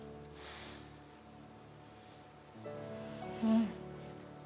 うん。